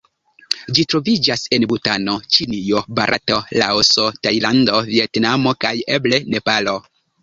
Ĝi troviĝas en Butano, Ĉinio, Barato, Laoso, Tajlando, Vjetnamo kaj eble Nepalo.